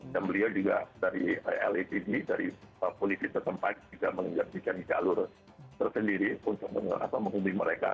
dan beliau juga dari lapd dari polisi setempat juga menjadikan jalur tersendiri untuk mengundi mereka